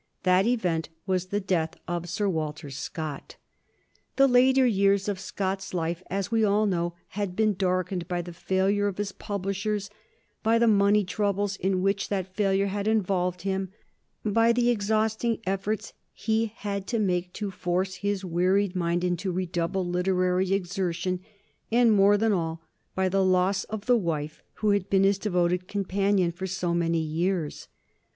That event was the death of Sir Walter Scott. The later years of Scott's life, as we all know, had been darkened by the failure of his publishers, by the money troubles in which that failure had involved him, by the exhausting efforts he had to make to force his wearied mind into redoubled literary exertion, and, more than all, by the loss of the wife who had been his devoted companion for so many years.